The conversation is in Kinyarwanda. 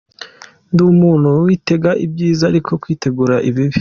Ndi umuntu witega ibyiza ariko kwitegura ibibi.